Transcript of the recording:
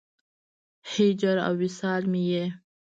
هجر او وصال مې یې